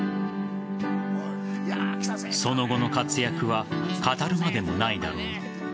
その後の活躍は語るまでもないだろう。